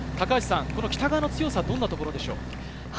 この北川の強さ、どんなところでしょうか？